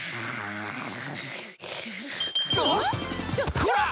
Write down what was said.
こら！